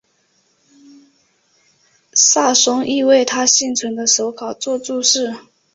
萨松亦为他幸存的手稿作注释。